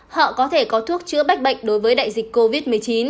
họ có thể có thuốc chữa bệnh đối với đại dịch covid một mươi chín